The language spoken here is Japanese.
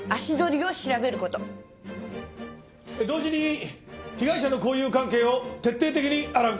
同時に被害者の交友関係を徹底的に洗う。